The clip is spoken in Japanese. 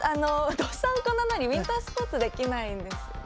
どさんこなのにウインタースポーツできないんですね。